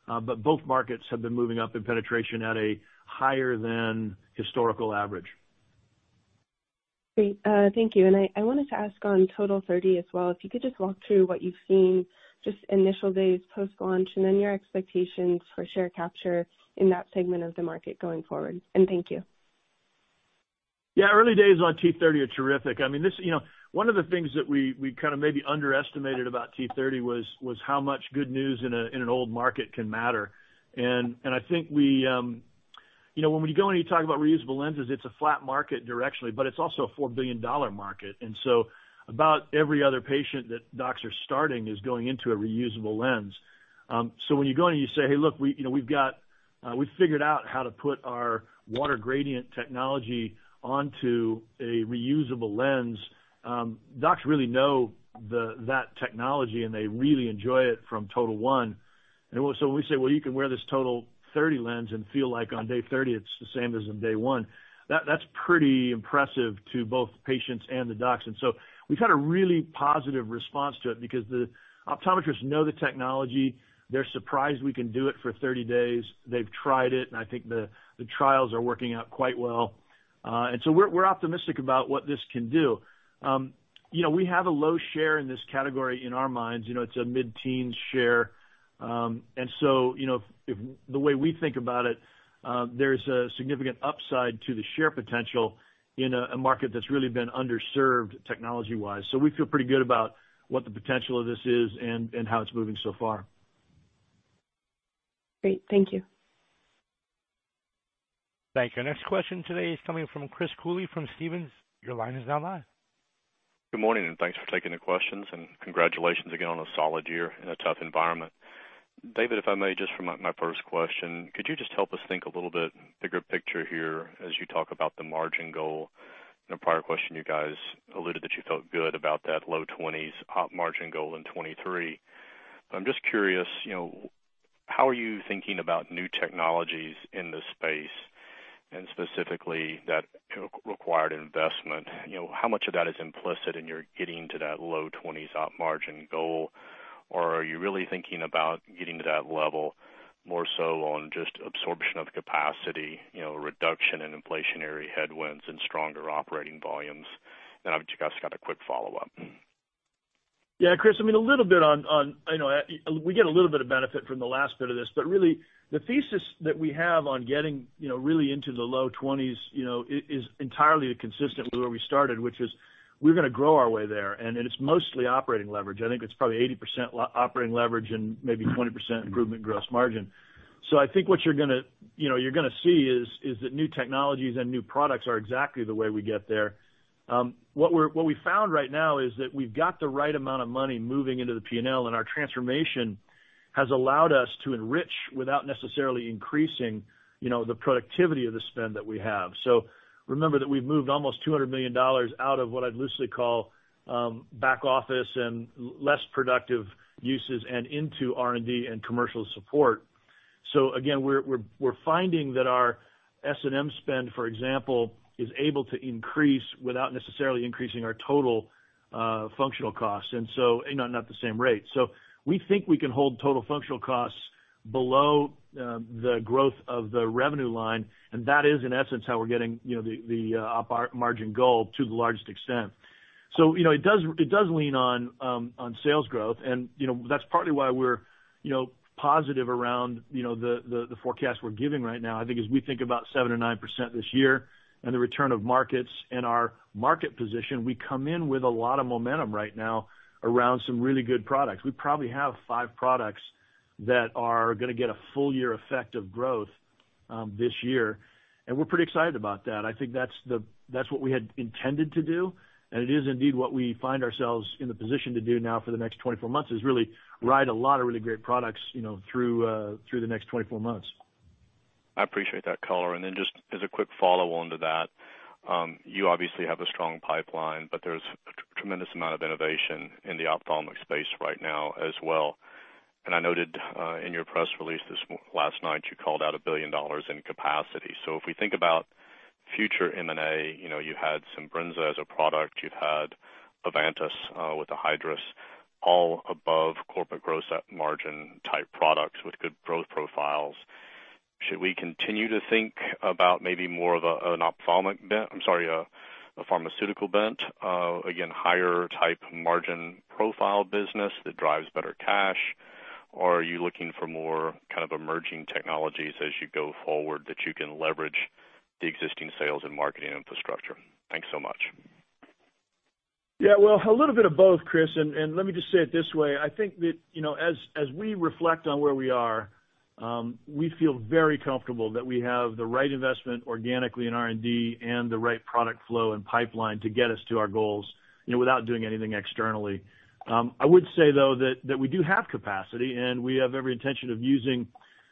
but both markets have been moving up in penetration at a higher than historical average. Great. Thank you. I wanted to ask on TOTAL30 as well, if you could just walk through what you've seen, just initial days post-launch, and then your expectations for share capture in that segment of the market going forward. Thank you. Yeah. Early days on T30 are terrific. I mean, this, you know, one of the things that we kind of maybe underestimated about T30 was how much good news in an old market can matter. I think we, you know, when we go and you talk about reusable lenses, it's a flat market directionally, but it's also a $4 billion market. About every other patient that docs are starting is going into a reusable lens. So when you go in and you say, "Hey, look, we, you know, we've got, we've figured out how to put our Water Gradient Technology onto a reusable lens," docs really know that technology, and they really enjoy it from TOTAL1. When we say, "Well, you can wear this TOTAL30 lens and feel like on day 30 it's the same as on day one," that's pretty impressive to both patients and the docs. We've had a really positive response to it because the optometrists know the technology. They're surprised we can do it for 30 days. They've tried it, and I think the trials are working out quite well. We're optimistic about what this can do. You know, we have a low share in this category in our minds. You know, it's a mid-teen share. You know, the way we think about it, there's a significant upside to the share potential in a market that's really been underserved technology-wise. We feel pretty good about what the potential of this is and how it's moving so far. Great. Thank you. Thank you. Next question today is coming from Chris Cooley from Stephens. Your line is now live. Good morning, and thanks for taking the questions. Congratulations again on a solid year in a tough environment. David, if I may just for my first question, could you just help us think a little bit bigger picture here as you talk about the margin goal? In a prior question, you guys alluded that you felt good about that low 20s op margin goal in 2023. But I'm just curious, you know, how are you thinking about new technologies in this space, and specifically that required investment? You know, how much of that is implicit in your getting to that low 20s op margin goal? Or are you really thinking about getting to that level more so on just absorption of capacity, you know, reduction in inflationary headwinds and stronger operating volumes? I've just got a quick follow-up. Yeah, Chris, I mean, a little bit on. I know we get a little bit of benefit from the last bit of this, but really the thesis that we have on getting, you know, really into the low twenties, you know, is entirely consistent with where we started, which is we're gonna grow our way there. It's mostly operating leverage. I think it's probably 80% operating leverage and maybe 20% improvement gross margin. I think what you're gonna, you know, you're gonna see is that new technologies and new products are exactly the way we get there. What we found right now is that we've got the right amount of money moving into the P&L, and our transformation has allowed us to enrich without necessarily increasing, you know, the productivity of the spend that we have. Remember that we've moved almost $200 million out of what I'd loosely call back office and less productive uses and into R&D and commercial support. Again, we're finding that our S&M spend, for example, is able to increase without necessarily increasing our total functional costs. You know, not at the same rate. We think we can hold total functional costs below the growth of the revenue line, and that is in essence how we're getting, you know, the op margin goal to the largest extent. You know, it does lean on sales growth, and you know, that's partly why we're positive around the forecast we're giving right now. I think as we think about 7% or 9% this year and the return of markets and our market position, we come in with a lot of momentum right now around some really good products. We probably have five products that are gonna get a full year effect of growth this year, and we're pretty excited about that. I think that's what we had intended to do, and it is indeed what we find ourselves in the position to do now for the next 24 months, is really ride a lot of really great products, you know, through the next 24 months. I appreciate that color. Then just as a quick follow on to that, you obviously have a strong pipeline, but there's a tremendous amount of innovation in the ophthalmic space right now as well. I noted in your press release last night, you called out $1 billion in capacity. If we think about future M&A, you know, you had Simbrinza as a product. You've had Ivantis with the Hydrus, all above corporate gross margin type products with good growth profiles. Should we continue to think about maybe more of a pharmaceutical bent, again, higher type margin profile business that drives better cash? Or are you looking for more kind of emerging technologies as you go forward that you can leverage the existing sales and marketing infrastructure? Thanks so much. Yeah, well, a little bit of both, Chris, and let me just say it this way. I think that, you know, as we reflect on where we are, we feel very comfortable that we have the right investment organically in R&D and the right product flow and pipeline to get us to our goals, you know, without doing anything externally. I would say though that we do have capacity, and we have every intention of using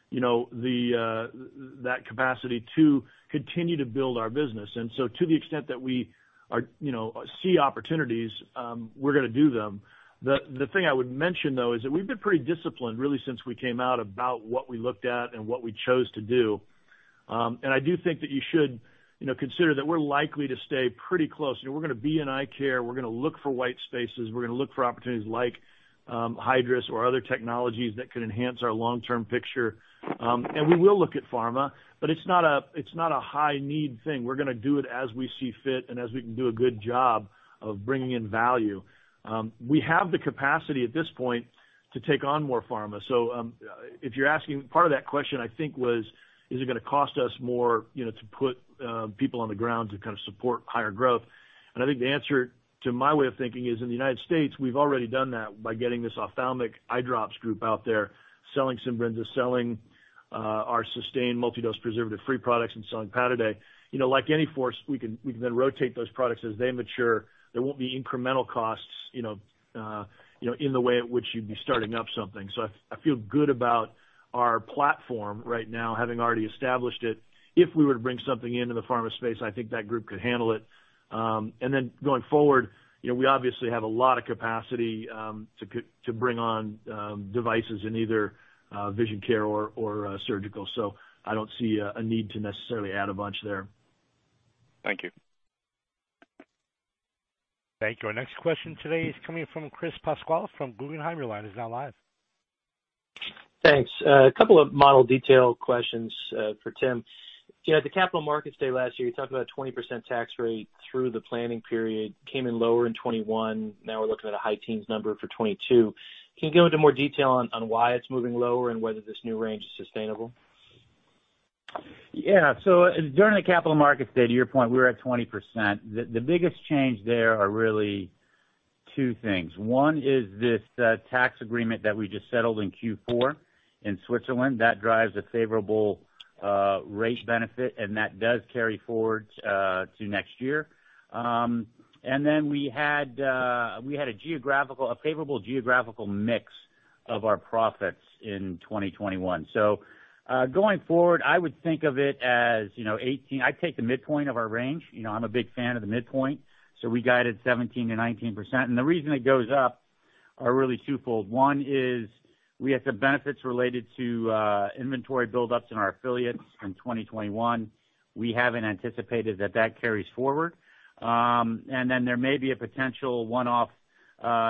you know that capacity to continue to build our business. To the extent that we, you know, see opportunities, we're gonna do them. The thing I would mention though is that we've been pretty disciplined really since we came out about what we looked at and what we chose to do. I do think that you should, you know, consider that we're likely to stay pretty close. You know, we're gonna be in eye care. We're gonna look for white spaces. We're gonna look for opportunities like Hydrus or other technologies that could enhance our long-term picture. We will look at pharma, but it's not a high need thing. We're gonna do it as we see fit and as we can do a good job of bringing in value. We have the capacity at this point to take on more pharma. So, if you're asking, part of that question, I think was, is it gonna cost us more, you know, to put people on the ground to kind of support higher growth? I think the answer to my way of thinking is in the United States, we've already done that by getting this ophthalmic eye drops group out there selling Simbrinza, selling our sustained multi-dose preservative free products and selling Pataday. You know, like a sales force we can, we can then rotate those products as they mature. There won't be incremental costs, you know, in the way at which you'd be starting up something. I feel good about our platform right now, having already established it. If we were to bring something into the pharma space, I think that group could handle it. And then going forward, you know, we obviously have a lot of capacity to bring on devices in either vision care or surgical. I don't see a need to necessarily add a bunch there. Thank you. Thank you. Our next question today is coming from Chris Pasquale from Guggenheim. Your line is now live. Thanks. A couple of model detail questions for Tim. You know, at the capital markets day last year, you talked about a 20% tax rate through the planning period, came in lower in 2021. Now we're looking at a high teens number for 2022. Can you go into more detail on why it's moving lower and whether this new range is sustainable? During the capital markets day, to your point, we were at 20%. The biggest change there are really two things. One is this tax agreement that we just settled in Q4 in Switzerland, that drives a favorable rate benefit, and that does carry forward to next year. Then we had a favorable geographical mix of our profits in 2021. Going forward, I would think of it as, you know, 18. I'd take the midpoint of our range. You know, I'm a big fan of the midpoint, so we guided 17%-19%. The reason it goes up are really twofold. One is we have some benefits related to inventory buildups in our affiliates in 2021. We haven't anticipated that that carries forward. There may be a potential one-off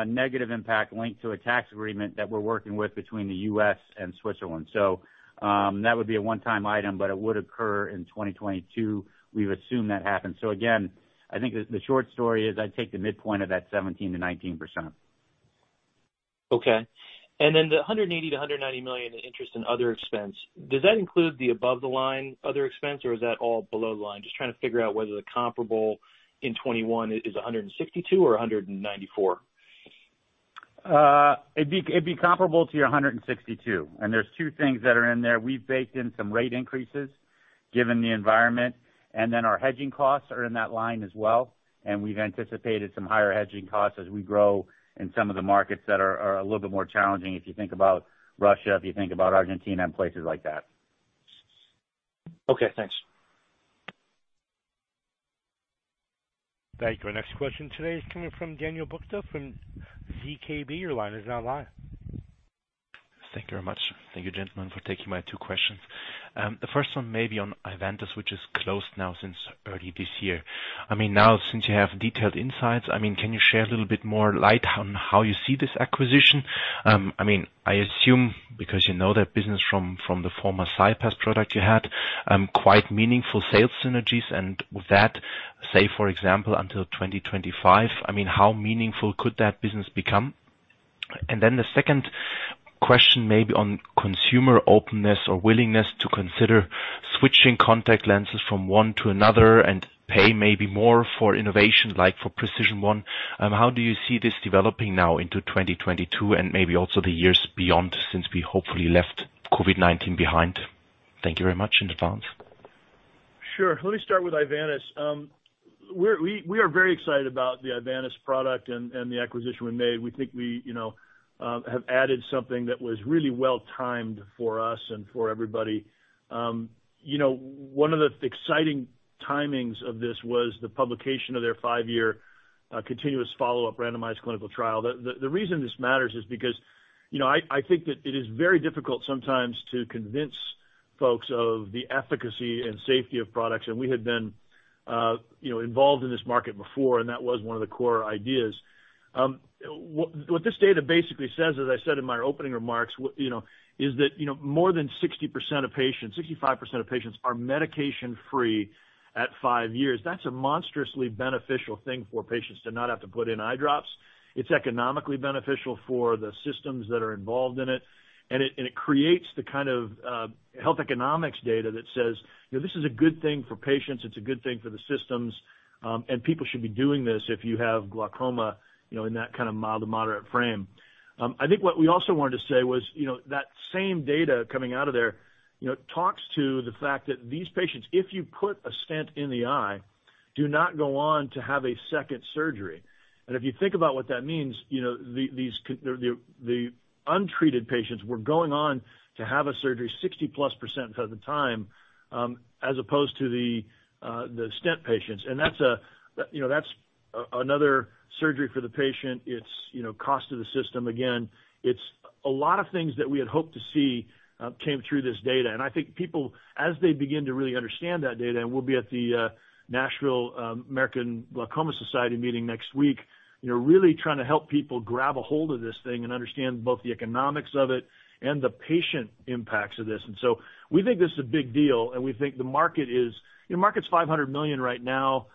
negative impact linked to a tax agreement that we're working with between the U.S. and Switzerland. That would be a one-time item, but it would occur in 2022. We've assumed that happens. Again, I think the short story is I'd take the midpoint of that 17%-19%. Okay. The $180 million-$190 million in interest and other expense, does that include the above the line other expense, or is that all below the line? Just trying to figure out whether the comparable in 2021 is $162 million or $194 million. It'd be comparable to your $162, and there's two things that are in there. We've baked in some rate increases given the environment, and then our hedging costs are in that line as well, and we've anticipated some higher hedging costs as we grow in some of the markets that are a little bit more challenging, if you think about Russia, if you think about Argentina and places like that. Okay, thanks. Thank you. Our next question today is coming from Daniel Buchta from ZKB. Your line is now live. Thank you very much. Thank you, gentlemen, for taking my two questions. The first one may be on Ivantis, which is closed now since early this year. I mean, now since you have detailed insights, I mean, can you share a little bit more light on how you see this acquisition? I mean, I assume because you know that business from the former CyPass product you had, quite meaningful sales synergies and with that, say for example, until 2025, I mean, how meaningful could that business become? The second question may be on consumer openness or willingness to consider switching contact lenses from one to another and pay maybe more for innovation like for PRECISION1. How do you see this developing now into 2022 and maybe also the years beyond since we hopefully left COVID-19 behind? Thank you very much in advance. Sure. Let me start with Ivantis. We are very excited about the Ivantis product and the acquisition we made. We think we have added something that was really well timed for us and for everybody. One of the exciting timings of this was the publication of their five-year continuous follow-up randomized clinical trial. The reason this matters is because I think that it is very difficult sometimes to convince folks of the efficacy and safety of products, and we had been involved in this market before, and that was one of the core ideas. What this data basically says, as I said in my opening remarks, is that more than 60% of patients, 65% of patients are medication free at five years. That's a monstrously beneficial thing for patients to not have to put in eyedrops. It's economically beneficial for the systems that are involved in it, and it creates the kind of health economics data that says, you know, this is a good thing for patients, it's a good thing for the systems, and people should be doing this if you have glaucoma, you know, in that kind of mild to moderate frame. I think what we also wanted to say was, you know, that same data coming out of there, you know, talks to the fact that these patients, if you put a stent in the eye, do not go on to have a second surgery. If you think about what that means, the untreated patients were going on to have a surgery 60%+ of the time, as opposed to the stent patients. That's another surgery for the patient. It's cost to the system again. It's a lot of things that we had hoped to see came through this data. I think people, as they begin to really understand that data, and we'll be at the Nashville American Glaucoma Society meeting next week, really trying to help people grab a hold of this thing and understand both the economics of it and the patient impacts of this. We think this is a big deal, and we think the market is $500 million right now.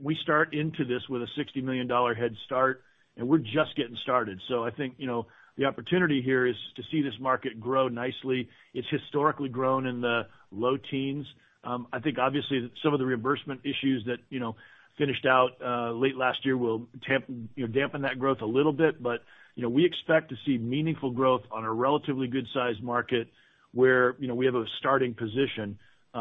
We start into this with a $60 million head start, and we're just getting started. I think, you know, the opportunity here is to see this market grow nicely. It's historically grown in the low teens. I think obviously some of the reimbursement issues that, you know, finished out late last year will dampen that growth a little bit. You know, we expect to see meaningful growth on a relatively good-sized market where, you know, we have a starting position. You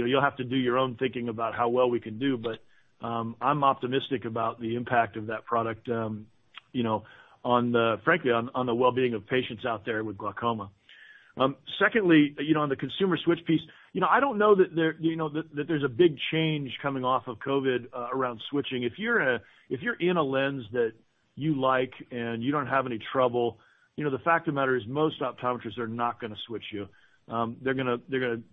know, you'll have to do your own thinking about how well we can do, but I'm optimistic about the impact of that product, you know, on the, frankly, on the well-being of patients out there with glaucoma. Secondly, you know, on the consumer switch piece, you know, I don't know that there, you know, that there's a big change coming off of COVID around switching. If you're in a lens that you like and you don't have any trouble, you know, the fact of the matter is most optometrists are not gonna switch you. They're gonna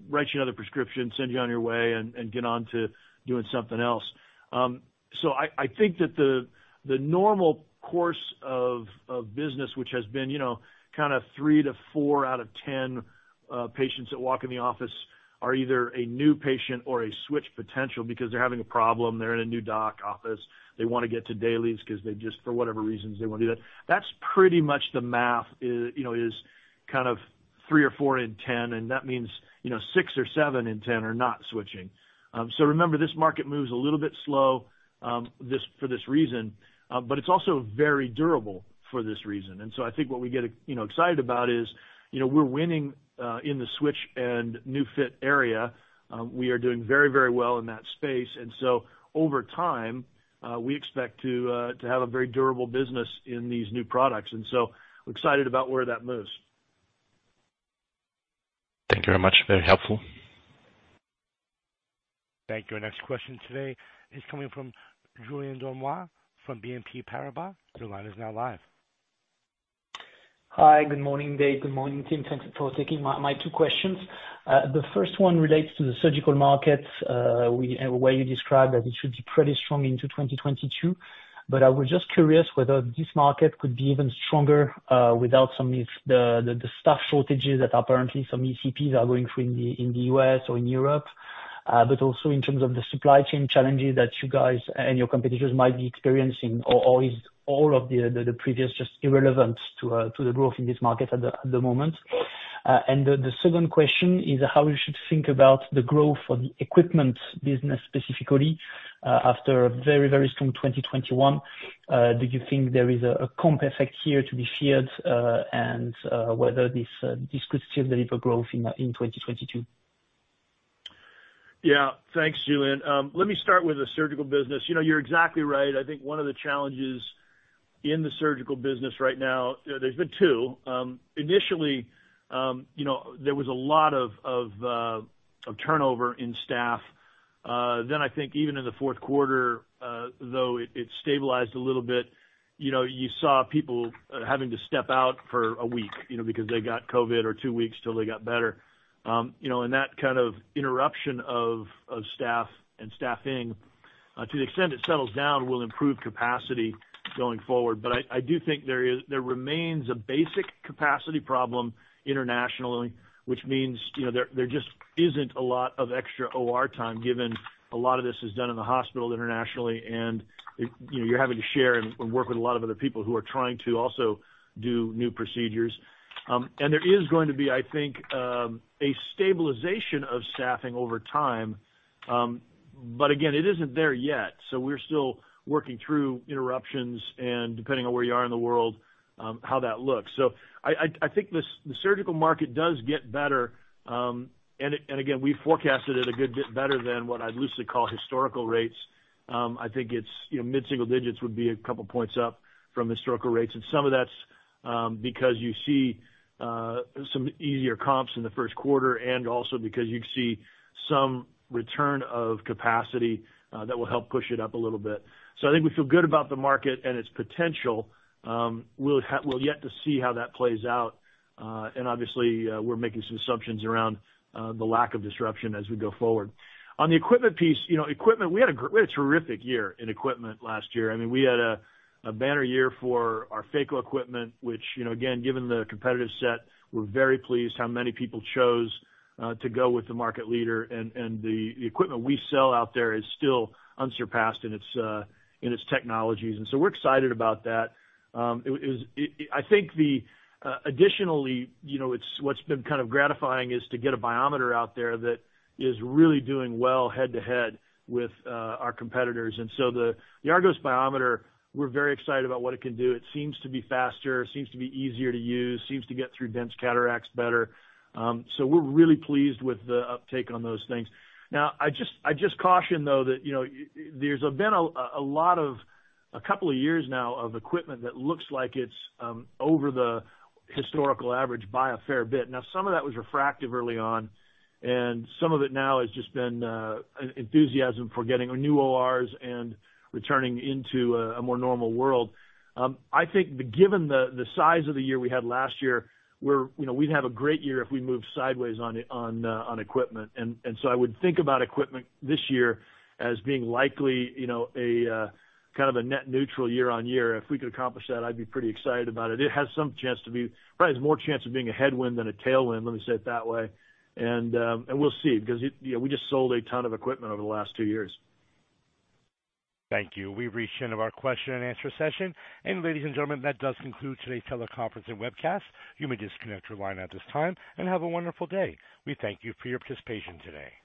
write you another prescription, send you on your way, and get on to doing something else. I think that the normal course of business, which has been, you know, kind of three-four out of 10 patients that walk in the office are either a new patient or a switch potential because they're having a problem, they're in a new doc office, they wanna get to dailies 'cause they just, for whatever reasons, they wanna do that. That's pretty much the math. You know, is kind of three or four in 10, and that means, you know, six or seven in 10 are not switching. Remember this market moves a little bit slow, this for this reason, but it's also very durable for this reason. I think what we get, you know, excited about is, you know, we're winning in the switch and new fit area. We are doing very, very well in that space. Over time, we expect to have a very durable business in these new products, and so I'm excited about where that moves. Thank you very much. Very helpful. Thank you. Our next question today is coming from Julien Dormois, from BNP Paribas. Your line is now live. Hi, good morning, David, good morning team. Thank you for taking my two questions. The first one relates to the surgical market. The way you described that it should be pretty strong into 2022. I was just curious whether this market could be even stronger without some of the staff shortages that apparently some ECPs are going through in the U.S. or in Europe. Also in terms of the supply chain challenges that you guys and your competitors might be experiencing or is all of the previous just irrelevant to the growth in this market at the moment. The second question is how we should think about the growth for the equipment business specifically after a very strong 2021. Do you think there is a comp effect here to be feared, and whether this could still deliver growth in 2022? Yeah. Thanks, Julien. Let me start with the surgical business. You know, you're exactly right. I think one of the challenges in the surgical business right now. You know, there's been two. Initially, you know, there was a lot of turnover in staff. Then I think even in the Q4, though it stabilized a little bit. You know, you saw people having to step out for a week, you know, because they got COVID or two weeks till they got better. You know, that kind of interruption of staff and staffing, to the extent it settles down, will improve capacity going forward. I do think there remains a basic capacity problem internationally, which means, you know, there just isn't a lot of extra OR time given a lot of this is done in the hospital internationally, and, you know, you're having to share and work with a lot of other people who are trying to also do new procedures. There is going to be, I think, a stabilization of staffing over time. Again, it isn't there yet, so we're still working through interruptions and depending on where you are in the world, how that looks. I think the surgical market does get better. Again, we forecasted it a good bit better than what I'd loosely call historical rates. I think it's, you know, mid-single digits would be a couple points up from historical rates. Some of that's because you see some easier comps in the first quarter and also because you see some return of capacity that will help push it up a little bit. I think we feel good about the market and its potential. We have yet to see how that plays out. Obviously, we're making some assumptions around the lack of disruption as we go forward. On the equipment piece, you know, equipment, we had a terrific year in equipment last year. I mean, we had a banner year for our phaco equipment, which, you know, again, given the competitive set, we're very pleased how many people chose to go with the market leader, and the equipment we sell out there is still unsurpassed in its technologies. We're excited about that. I think additionally, you know, it's what's been kind of gratifying is to get a biometer out there that is really doing well head-to-head with our competitors. The ARGOS biometer, we're very excited about what it can do. It seems to be faster, seems to be easier to use, seems to get through dense cataracts better. We're really pleased with the uptake on those things. Now, I caution though that, you know, there's been a couple of years now of equipment that looks like it's over the historical average by a fair bit. Some of that was refractive early on, and some of it now has just been an enthusiasm for getting our new ORs and returning into a more normal world. I think given the size of the year we had last year, you know, we'd have a great year if we moved sideways on equipment. I would think about equipment this year as being likely, you know, a kind of a net neutral year on year. If we could accomplish that, I'd be pretty excited about it. It has some chance to be, probably has more chance of being a headwind than a tailwind, let me say it that way. We'll see because it, you know, we just sold a ton of equipment over the last two years. Thank you. We've reached the end of our question and answer session. Ladies and gentlemen, that does conclude today's teleconference and webcast. You may disconnect your line at this time and have a wonderful day. We thank you for your participation today.